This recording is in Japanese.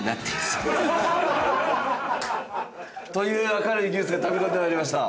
という明るいニュースが飛び込んで参りました。